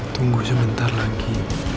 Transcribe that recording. tunggu sebentar lagi